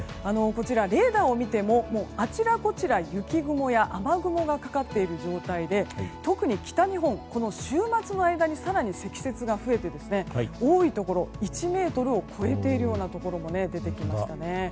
レーダーを見ても、あちらこちら雪雲や雨雲がかかっている状態で特に北日本、この週末の間に更に積雪が増えて多いところ１ｍを超えているようなところも出てきましたね。